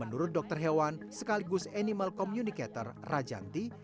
menurut dokter hewan sekaligus animal communicator rajanti